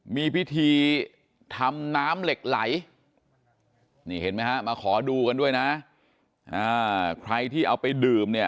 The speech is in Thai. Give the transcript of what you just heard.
มีพิธีทำน้ำเหล็กไหลนี่เห็นไหมฮะมาขอดูกันด้วยนะใครที่เอาไปดื่มเนี่ย